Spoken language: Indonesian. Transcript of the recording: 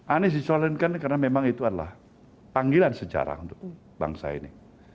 anies dicalonkan karena memang itu adalah panggilan sejarah untuk bangsa ini